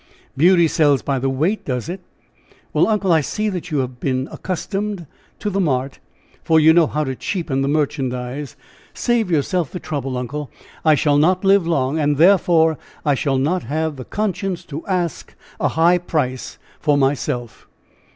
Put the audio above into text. "Beauty sells by the weight, does it? Well, uncle, I see that you have been accustomed to the mart, for you know how to cheapen the merchandise! Save yourself the trouble, uncle! I shall not live long, and therefore I shall not have the conscience to ask a high price for myself!"